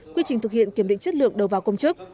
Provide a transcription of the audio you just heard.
quy trình thực hiện kiểm định chất lượng đầu vào công chức